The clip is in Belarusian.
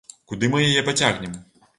Куды мы яе пацягнем?